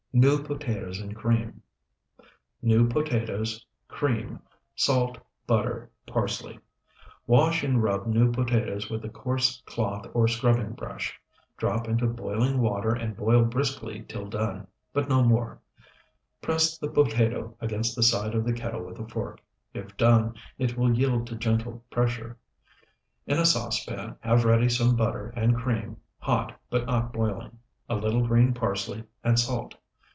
NEW POTATOES AND CREAM New potatoes. Cream. Salt. Butter. Parsley. Wash and rub new potatoes with a coarse cloth or scrubbing brush; drop into boiling water and boil briskly till done, but no more. Press the potato against the side of the kettle with a fork; if done, it will yield to gentle pressure. In a saucepan have ready some butter and cream, hot but not boiling, a little green parsley, and salt.